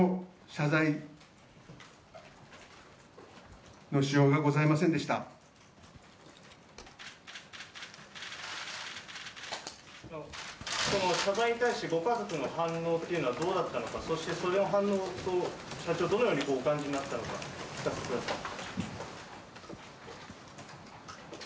謝罪に対してご家族の反応というのはどうだったのかそして、その反応を社長どうお感じになったのか、聞かせてください。